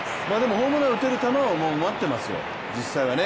ホームラン撃てる球を待っていますよ、実際はね。